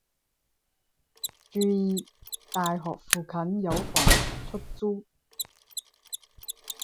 注意！大學附近有房出租